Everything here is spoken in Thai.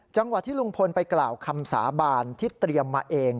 จังหวัดที่ลุงพลไปกล่าวคำสาบานที่เตรียมมาเอง